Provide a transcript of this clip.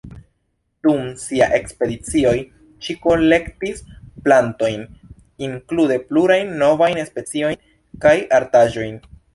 Dum sia ekspedicioj ŝi kolektis plantojn, inklude plurajn novajn speciojn, kaj artaĵojn.